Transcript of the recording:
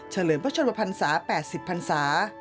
เฉลิมพระชนพรรษา๘๐พรรษา